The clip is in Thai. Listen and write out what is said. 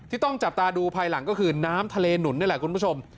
ต้องจับตาดูภายหลังก็คือน้ำทะเลหนุนนี่แหละคุณผู้ชม